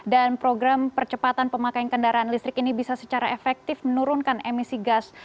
dan program percepatan pemakaian kendaraan listrik ini bisa secara efektif menurunkan emisi gas